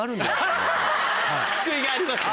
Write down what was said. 救いがありますね。